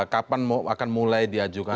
kapan akan mulai diajukan